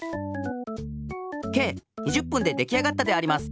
計２０ぷんでできあがったであります。